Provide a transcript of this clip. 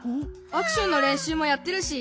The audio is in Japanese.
アクションのれんしゅうもやってるし。